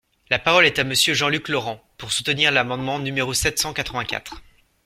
La parole est à Monsieur Jean-Luc Laurent, pour soutenir l’amendement numéro sept cent quatre-vingt-quatre.